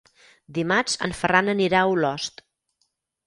Dimarts en Ferran anirà a Olost.